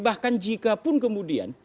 bahkan jikapun kemudian